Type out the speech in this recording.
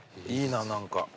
いいな何か。